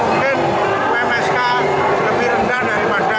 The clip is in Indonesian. mungkin pmsk lebih rendah daripada